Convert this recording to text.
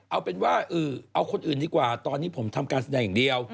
เอาเป็นว่าเอาคนอื่นดีกว่าตอนนี้ผมทำการแสดงอย่างเดียว